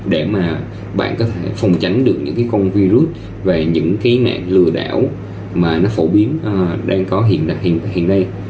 để mà bạn có thể phòng tránh được những cái con virus và những cái nạn lừa đảo mà nó phổ biến đang có hiện nay